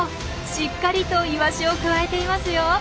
しっかりとイワシをくわえていますよ。